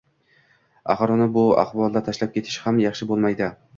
Axir, uni bu axvolda tashlab ketish ham yaxshi bo`lmaydi